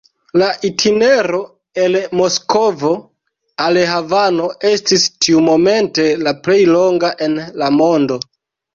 La itinero el Moskvo al Havano estis tiumomente la plej longa en la mondo.